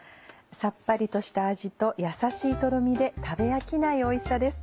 さっぱりとした味とやさしいとろみで食べ飽きないおいしさです。